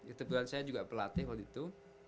itu kebetulan saya juga pelatih waktu itu